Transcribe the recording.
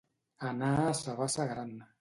Anar a sa bassa gran.